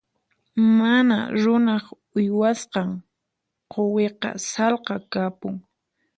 Mana runaq uywasqan quwiqa sallqa kapun.